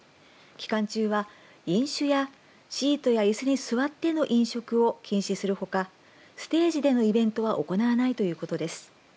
期間中は、飲酒やシートやいすに座っての飲食を禁止するほかステージでのイベントは行わないということです。